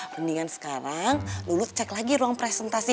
mendingan sekarang lulu cek lagi ruang presentasi